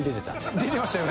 出てましたよね。